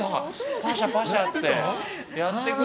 パシャパシャって。